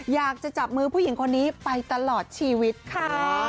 อยากจะจับมือผู้หญิงคนนี้ไปตลอดชีวิตค่ะ